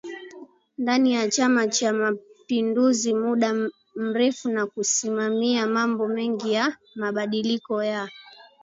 ndani ya Chama cha mapinduzi muda mrefu na kusimamia mambo mengi ya mabadiliko ya